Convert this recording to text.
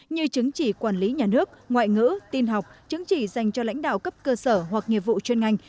như chứng chỉ quản lý nhà nước ngoại ngữ tin học chứng chỉ dành cho lãnh đạo cấp cơ sở hoặc nghiệp vụ chuyên ngành